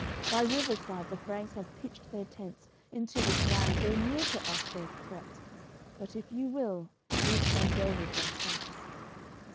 By river side the Franks have pitched their tents, Into this land so near to us they've crept; But, if you will, grief shall go with them hence."